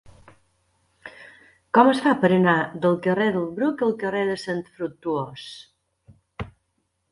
Com es fa per anar del carrer del Bruc al carrer de Sant Fructuós?